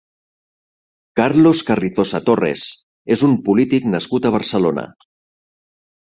Carlos Carrizosa Torres és un polític nascut a Barcelona.